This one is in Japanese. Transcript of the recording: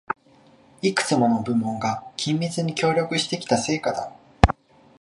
いくつもの部門が緊密に協力してきた成果だ